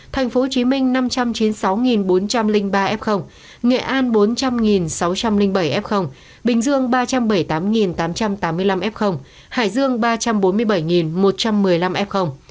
tp hcm năm trăm chín mươi sáu bốn trăm linh ba f nghệ an bốn trăm linh sáu trăm linh bảy f bình dương ba trăm bảy mươi tám tám trăm tám mươi năm f hải dương ba trăm bốn mươi bảy một trăm một mươi năm f